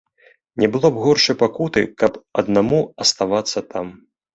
Не было б горшай пакуты, каб аднаму аставацца там.